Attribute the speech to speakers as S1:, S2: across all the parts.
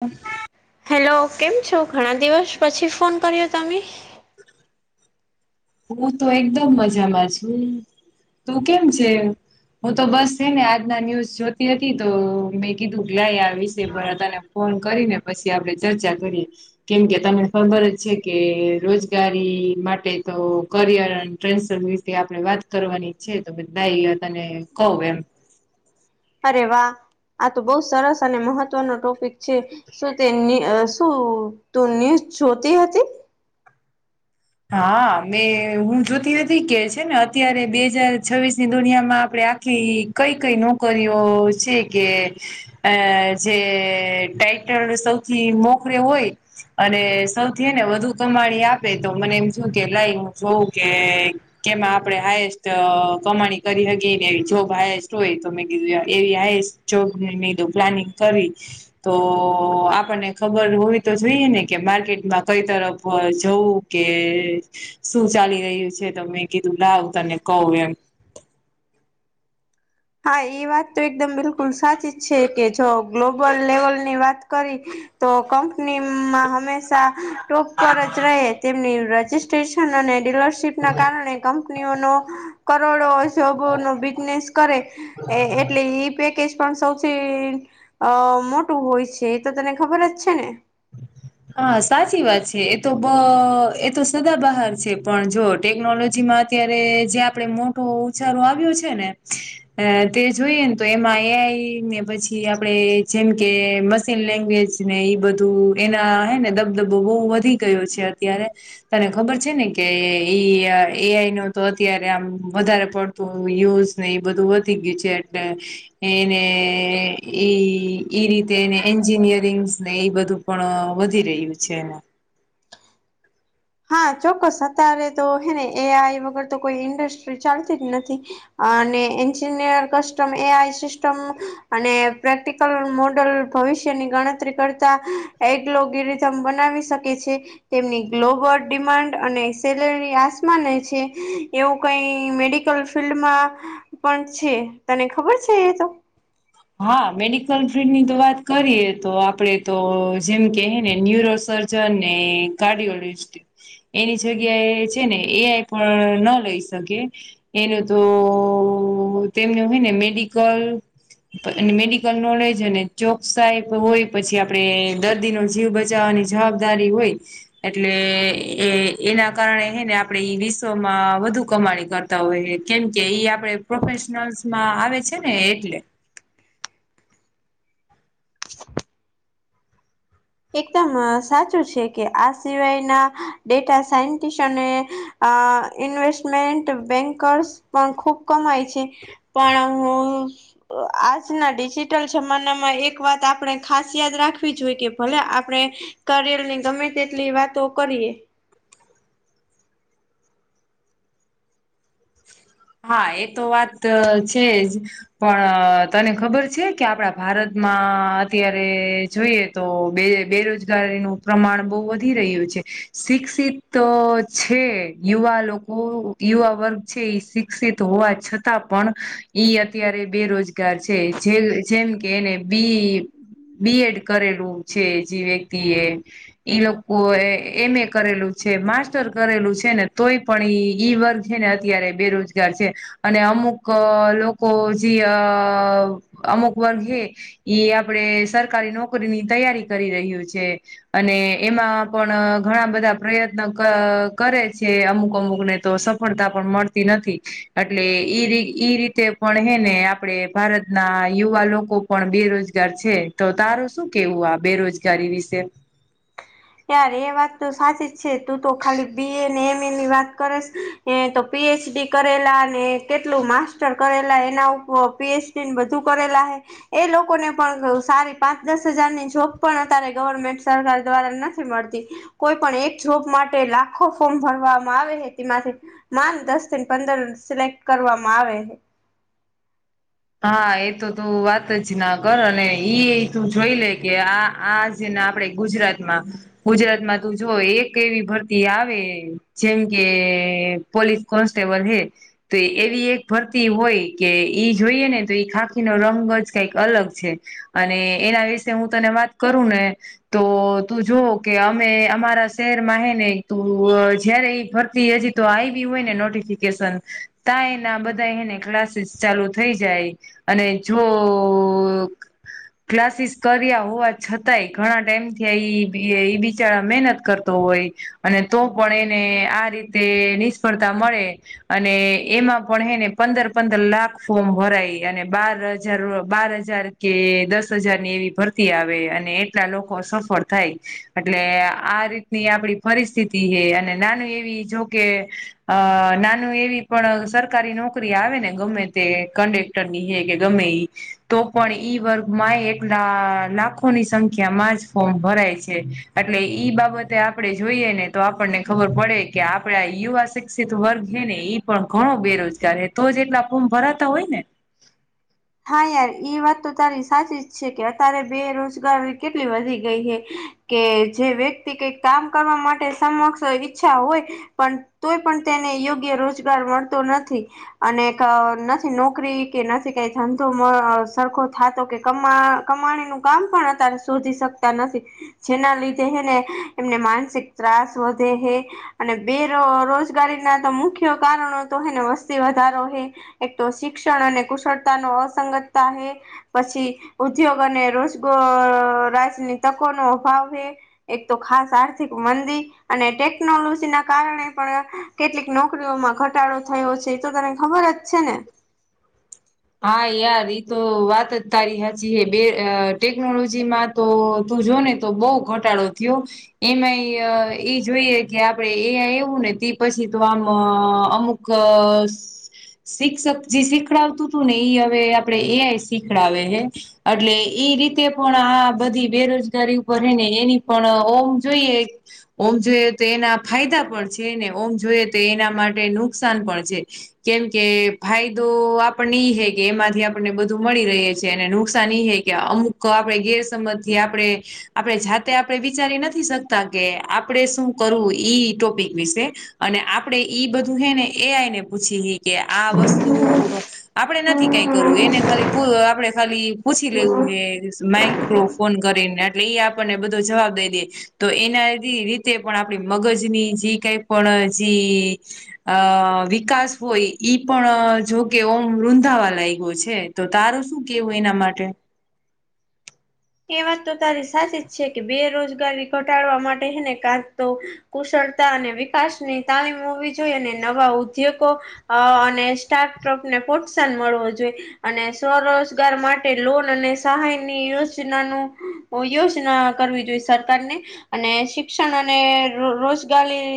S1: ઓમ
S2: hello કેમ છો ઘણા દિવસ પછી ફોન કર્યો તમે
S1: હું તો એકદમ મજામાં છું તું કેમ છે હું તો બસ છે ને આજના ન્યુઝ જોતી હતી તો મેં કીધું બલાય આવીશે ભ ફોન કરીને પછી આપડે ચર્ચા કરીએ કેમ કે તમને ખબર જ છે કે રોજગારી માટે તો કરિયર અને ટ્રાન્સફર વિ આપણે વાત કરવાની છે તો બધ તને કહવ એમ
S2: અરે વાહ આ તો બહુ સરસ અને મહત્વનો ટોપિક છે શું તે શું તું ન્યઝ જોતી હતી
S1: હા મેં હું જોતી નથી કે છે ને અત્યારે બે હજાર છવ્વીસ ની દુનિયામાં આપડણે કે કઈ કઈ નોકરીઓ છે કે અ જે ટાઈટલ સૌથી મોખરે હોય અને સૌથી એને વધુ કમાણી આપે તો મને એમ થું કે લાઈ હું જોઉં કે કેમાં આપણે હાએસ્ટ કમાણી કરી [unintelligible] ને એવી જોબ હાએસ્ટ હોય તો મેં કીધું એવી હાએસ્ટ જોક લીધું પ્લાનિંગ કરી તો આપણને ખબર હોવી તો જોઈએ ને કે માર્કેટમાં કઈ તરફ જવું કે શું ચાલી રહ્યું છે તો મેં કીધું લાવ તને કવ એમ
S2: હા એ વાત તો એકદમ બિલકુલ સાચી જ છે કે જો ગ્લોબલ લેવલની વાત કરી તો કંપનીમાં હંમેશા ટોપ પર જ રહે તેમની રજીિસ્ટ્રેશન અને ડીલરશીપના કારણે [inaudible] કરોડો નો [unintelligible] બિઝનેસ કરે એટલે એ પેકેજ પણ સૌથી અ મોટું હોય છે એ તો તને ખબર જ છે ને
S1: [inaudible] હા સાચી વાત છે એ તો બ એ તો સદા બહાર છે પણ જો ટેકનોલોજી માં અત્યારે જે આપડે મોટો ઉચારો આવ્યો છે ને અ તે જોઈએ ને તો એમાં એઆઈ ને પછી આપડે જેમ કે મશીન લેંગ્વેજ ને એઈ બધું એના હે ને દબદબો બહુ વધી ગયો છે અત્યારે તને ખબર છે ને કે [unintelligible] એઆઈ નો તો અત્યારે આમ વધારે તો યુઝ નહ બધું વધી ગયું છે એટલે એને [unintelligible] ઈ રીતે એને એન્જિનિયરિંગ્ ને એ બધું [unintelligible] પણ વધી રહ્યું છે એને
S2: હા ચોક્કસ અત્યારે તો હેને એ આઈ વગર તો કોઈ ઇન્ડસ્ટ્રી ચાલતી જ નથી [unintelligible] મોડલ ભવિષ્યની ગણતરી કરતા એગલોગીરીથમ બનાવી શકે છે. તેમની ગ્લોબલ ડિમાન્ડ અને સેલેરી આસમાને છે એવું કઈ મેડિકલ ફિલ્ડમાં પણ છે તને ખબર છે એ તો
S1: હા મેડિકલ ફિલ્ડની તો વાત કરીએ તો આપડે તો જેમ [unintelligible] અને કાર્ડિયો [unintelligible] એની જગ્યાએ છે ને એઆઈ પણ ન લઈ શકે એનું તો તેમનું હોય ને મેડિકલ અને મેડિકલ નોલેજ અને ચોકસાઈ હોય પછી આપણે દર્દી નો જીવ બચાવવાની જવાબદારી હોય એટલે એ એના કારણે હ ને આપડે વિશ્વમાં વધુ કમાણી કરતા તોવે કેમ કે આપડે પ્રોફેશનલ્સ માં આવે છે ને એટલે.
S2: એકદમ સાચું છે કે આ સિવાયના ડેટા સાયન્ટિસ્ટ આ ઇન્વેસ્ટમેન્ટ બેંકર્સ પણ ખૂબ કમાય છે. પણ હું આજના ડિજિટલ જમાનામાં એક વાત આપણે ખાસ યાદ રાખવી જોઈએ કે ભલે આપડે કરેલ ની ગમે તેટલી વાતો કરીએ
S1: હા એ તો વાત છે. પણ તને ખબર છે કે આપડા ભારતમાં અત્યારે જોઈએ તો બે બેરોજગારીનું પ્રમાણ બહુ વધી રહ્યું છે શિક્ષિત તો છે યુવા લોકો યુવા વર્ગ છે. વિકસિત હોવા છતાં પણ ઈ અત્યારે બેરોજગાર છે જે જેમ કે એને બી બીએડ કરેલું છે જે વ્યક્તિ એ ઈ લોકો એમ એ કરેલું છે માસ્ટર કરેલું છે ને તોય પણ એ ઈ વર્ગ છે ને અત્યારે બેરોજ છે અને અમુક લોકો જે અમુક વર્ગ ઈ આપડે સરકારી નોકરીની તૈયારી કરી રહ્યું છે અને એમાં પણ અ ઘણા બધા પ્રયત્ન કરે છે અમુક અમુક ને તો સફળતા પણ મળતી નથી એટલે ઈ ઈ રીતે પણ હેને આપડે ભારતના યુવા લોકો પણ બેરોજગાર છે તો તારું શું કેવું આ બેરોજગારી વિશે
S2: યાર એ વાત તો સાચી જ છે તું તો ખાલી બીએ ને એમ એ ની વાત કરેશ એ ને તો પીએચડી કરેલા ને કેટલું માસ્ટર કરેલા એના ઉપર પીએચ ને બધું કરેલા હ એ લોકોને પણ સારી પાંચ દસ હજારની જોબ પણ અતારે ગવર્મેન્ટ સરકાર દ્વારા ના મળતી કોઈ પણ એક જોબ માટે લાખો ફોર્મ ભરવામાં આવે તેમાંથી માન દસ થીને પંદર સિલેક્ટ કરવામાં આવે
S1: હા એ તો તું વાત જ ના કર અને ઈ ય તું જોઈ લે કે આ આ જેના આપણે ગુજરાતમાં ગુજરાતમાં તું જો એક એવી ભરતી આવે જેમ કે પોલીસ કોન્સ્ટેબલ હે તો એવી એક ભરતી હોય કે ઈ જોઈએ ને તો એ ખાખી નો રંગ જ કંઈક અલગ છે. અને એના વિશે હું તને વાત કરું ને તો તું જોવ કે અમે અમારા શહેરમાં હે ને તું જયારે એ ભરતી હજી તો આયવી હોય ને નોટિફિકેશન તા એને આ બધા એને ક્લાસીસ ચાલુ થઈ જાય અને જો ક્લાસીસ કર્યા હોવા છતાંય ઘણા ટાઈમ થયા બિચારા મહેનત કરતો હોય અને તો પણ એને આ રીતે એ નિષ્ફળતા મળે અને એમાં પણ હે ને પંદર પંદર લાખ ફોર્મ ભરાય અને બાર હજાર બાર હજાર કે દસ હજાર ની એવી ભર તી આવે અને એટલા લોકો સફળ થાય. એટલે આ રીતની આપડી પરિસ્થિતિ હે અને નાનું એવી જોકે અ નાનું એવી પણ સરકારી નોકરી આવે ને ગમે તે કન્ડેક્ટર ની હે કે ગમે ઈ તો પણ ઈ વર્ગમાં એટલા લાખોની સંખ્યા માં જ ફોર્મ ભરાય છે. એટલે ઈ બાબતે આપણે જોઈએ ને તો આપણને ખબર પડે કે આપે ઈ યુવા શિક્ષિત વર્ગ હે ને ઈ પણ ઘણો બેરોજગાર હે તો જ એટલા ફોર્મ ભરાતા હોય ને
S2: હા યાર એ વાત તો તારી સાચી જ છે કે અત્યારે બેરોજગારી કેટલી વધી ગઈ હે કે જે વ્યક્તિ કઈક કામ કરવા માટે સમક્ષ ઈચ્છા હોય પણ તોય પણ તેને યોગ્ય રોજગાર મળતો નથી. અને ક નથી નોકરી કે નથી કે ધંધો મ સરખો થાતો કે કેમા કમાણી નું કામ પણ અતારે શોધી શકતા નથી. જેના લીધે હેને એમને માનસિક ત્રાસ વધે હે. અને બેરોજગારી ના તો મુખ્ય કારણો તો હેને વસ્તી વધારો હે. એક તો શિક્ષણ અને કુશળતા નો અસંગતતા હે પછી ઉદ્યોગ અને રોજ અ રાજની તકો નો અભાવ હે. એક તો ખાસ આર્થિક મંદી. અને ટેકનોલોજી ના કારણે પણ કેટલીક નોકરીઓમાં ઘટાડો થયો છે એ તો તને ખબર જ છે ને?
S1: હા યાર એ તો વાત જ તારી હાચી હ બે અ ટેકનોલોજી માં તો તું જો ને તો બહુ ઘટાડો થ્યો. એમાં ઈ ઈ જોઈએ કે આપડે એ આઈ એવું ને તે પછી તો આમ અમુક ક શિક્ષક જે સિખડાવતું તું ને ઈ હવે આપડે એ આઈ શીખડાવે હે. અટલે ઈ રીતે પણ આ બધી બેરોજગારી ઉપર હે ને એની પણ ઓમ જોઈએ ઓમ જોઈએ તો એના ફાયદા પણ છે ને ઓમ જોઈએ તો એના માટે નુકસાન પણ છે. કેમ કે ફાયદો આપ ણે ઈ હે કે એમાંથી આપણને બધું મળી રહે છે અને નુકસાન ઈ હે કે અમુક આપણે ગેરસમજ જે આપણે આપણે જાતે આપણે વિચારી નથી શકતા કે આપડે શું કરવું ઈ ટોપિક વિશે. અને આપડે ઈ બધું હે ને એ આઈ ને પૂછી હી કે આ વસ્તુ આપડે નથી કઈ કરવું એને ખાલી પૂ આપણે ખાલી પૂછી લેવું હે માઈક્રોફોન કરીને એટલે ઈ આપણને બધો જવાબ દઈ દે. તો એના રીતે પણ આપણી મગજની જી કઈ પણ જી અ વિકાસ હોય ઈ પણ જો કે ઓ મ રુંંધાવા લાઇ? ગ ગયો છે. તો તારું શું કેવું એના માટે
S2: એ વાત તો તારી સાચી જ છે કે બેરોજગારી ઘટાડવા માટે છેને કા તો કુશળતા અને વિકાસની તાલીમ હોવી જોઈએ અને નવા ઉદ્યોગો અ અને સ્ટાર્ટઅપ ને પ્રોત્સાહન મળવો જોઈએ. અને સ્વરોજગાર માટે લોન અને સહાય ની યોજ નાનું ઓ યોજના કરવી જોઈએ સરકાર ને. અને શિક્ષણ અને રોજગારી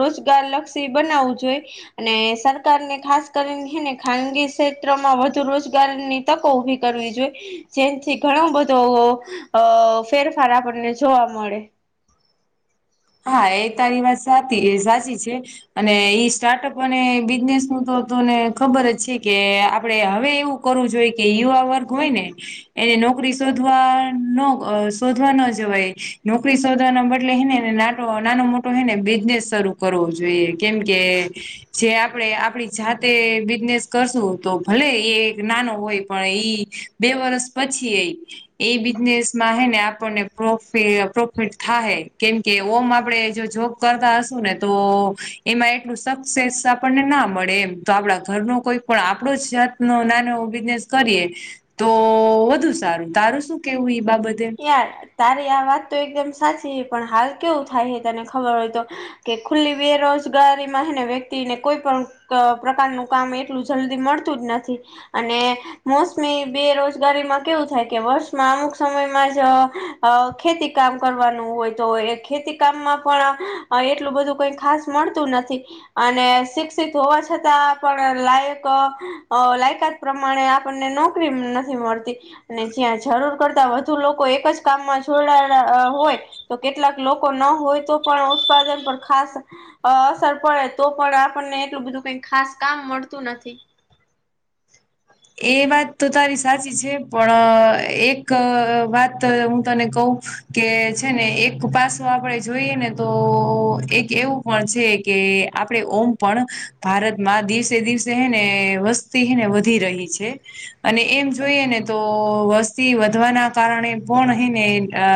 S2: રોજગાર લક્ષી બનાવવું જોઈ. અને સરકાર ને ખાસ કરીને હે ને ખાનગી ક્ષેત્ર માં વધુ રોજગારની તકો ઉભી કરવી જોઈએ જેન થી ઘણું બ ધો અ ફેરફાર આપણને જોવા મળે.
S1: હા એ તારી વાત સાતી એ સાચી છે અને ઈ સ્ટાર્ટઅપ અને બિઝનેસ નું તો તને ખબર જ છે કે આપડે હવે એવું કરવું જોઈએ કે યુવા વર્ગ હોય ને એને નોકરી શોધવા ન શોધવા ન જવાય નોકરી શોધવાના બદલે હને એને ના ટો નાનો મોટો હે ને બિઝનેસ શરૂુ કરવો જોઈએ કેમ કે જે આપણેે આપડી જાતે બિઝનેસ કરશું તો ભલે એ એક નાનો હોય પણ ઈ બે વરસ પછી એ એ બિઝનેસ માં હે ને આપણનેો પ્રોફિટ થાય કેમકે ઓમ આપડે જો જોબ કરતા હશુ ને તો એમાં એટલું સક્સેસ આપણને ના મળે એમ. તો આપડા ઘરનું કોઈક પણ આપણો જ જાત નો નાનો બિઝનેસ કરીએ તો વધુ સારું. તારું શું કેવું ઈ બાબતે?
S2: યાર, તારી આ વાત તો એકદમ સાચી પણ હાલ કેવું થાય હે તને ખબર હોય તો કે ખુલ્લી બેરોજગારી માંને હે વ્યક્તિ ને કોઈ પણ પ્રકારનું કામ એટલું જલ્દી મળતું જ નથી અને મોસમી બેરોજગારીમાં કેવું થાય કે વર્ષમાં અમુક સમય ખેતી કામ કરવાનું હોય તો એ ખેતી કામમાં પણ એટલું બધું કંઈ ખાસ મળતું નથી અને શિક્ષિત હોવા છતાં પણ લાયક લાયકાત પ્રમાણે આપણને નોકરી નથી મળતી અને જ્યાં જરૂર કરતા વધ લોકો એક જ કામમાં જોડલા હોય તો કેટલાક લોકો ના હોય તો પણ ઉત્પાદન પણ ખાસ અ અસર પડે તો પણ આપણને એટલું બધું કઈ ખાસ કામ મળતું નથી
S1: એ વાત તો તારી સાચી છે પણ એક વાત હું તને કહ કે છે ને એક પાસો આપડે જોઈએ ને તો એક એવું પણ છે કે આપડે ઓમ પણ ભારતમાં દિવસે દિવસે હને વસ્તી હને વધી રહી છે છે અને એમ જોઈએ ને તો વસ્તી વધવાના કારણે પણ હને અ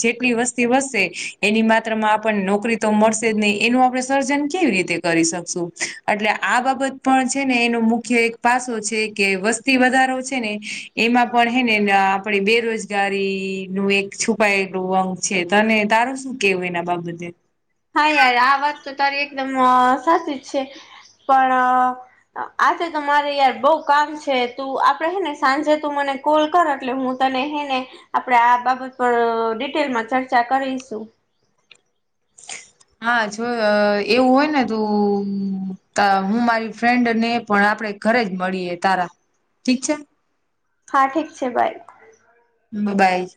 S1: જેટલી વસ્તી વધશે એની માત્રામાં આપણને નોકરી તો મળશે જ નહી એનું આપણે સર્જન કેવી રીતે કરી શકશું એટલે આ બાબત પણ છે ને એનો મુખ્ય એક પાસો છે કે વસ્તી વધારો છે ને એમાં પણ હે ને આપણે બેરોજગારી નું એક છ પાયલું અંગ છે તને તારું શું કેવું એના બાબતે
S2: હા યાર આ વાત તો તારી એકદમ સાચી જ છે પણ આજે તો મારે યાર બઉ કામ છે તું આપડે હે ને સાંજે તું મને કોલ કર એટલે હું તને હને આપણે આ બાબત પર ડિટેલમાં ચર્ચા કરીશું
S1: હા જો એવું હોય ને તું હું મારી ફ્રેન્ડ ને પણ આપડે ઘરે જ મળીએ તારા ઠીક છે
S2: હા ઠીક છે બાય
S1: મોબાઈલ